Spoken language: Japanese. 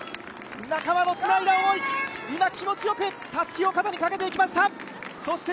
仲間のつないだ思い、今、気持ちよくたすきを肩にかけていきました。